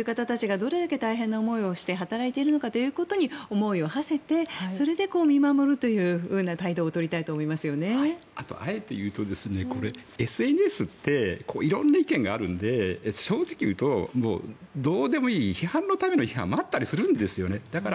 そういう方たちがどれだけ大変なことをして働いている方ということに思いをはせて見守るということをあえて言うと、ＳＮＳって色んな意見があるので正直言うとどうでもいい批判のための批判もあったりするんです。